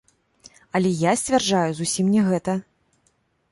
Але я сцвярджаю зусім не гэта.